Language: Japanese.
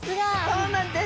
そうなんです。